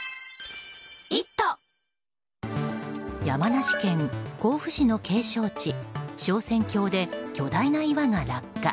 山梨県甲府市の景勝地昇仙峡で巨大な岩が落下。